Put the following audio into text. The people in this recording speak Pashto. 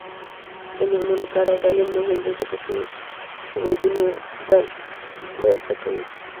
د میرمنو کار او تعلیم مهم دی ځکه چې ودونو ځنډ مرسته ده